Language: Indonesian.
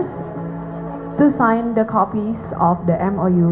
silakan menandatangani kopi mou